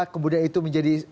kemudian itu menjadi